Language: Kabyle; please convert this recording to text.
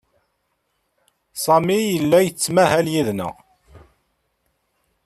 Sami yella yettmahal yid-neɣ.